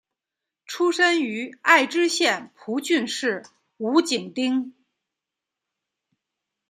出身于爱知县蒲郡市五井町。